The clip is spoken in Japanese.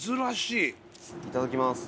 いただきます。